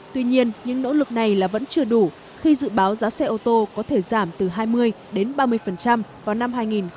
tuy nhiên những nỗ lực này là vẫn chưa đủ khi dự báo giá xe ô tô có thể giảm từ hai mươi đến ba mươi vào năm hai nghìn hai mươi